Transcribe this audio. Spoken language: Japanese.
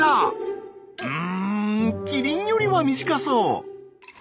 うんキリンよりは短そう。